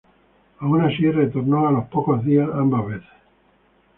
Aun así, retornó a los pocos días ambas veces.